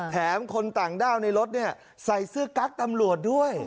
คนต่างด้าวในรถเนี่ยใส่เสื้อกั๊กตำรวจด้วย